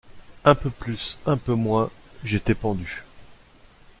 Un peu plus, un peu moins, j’étais pendu.